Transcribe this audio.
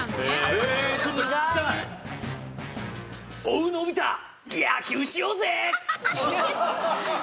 おうのび太野球しようぜ！